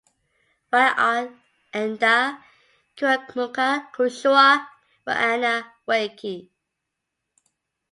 W'aw'eenda kiramuka kushoa w'ana wake.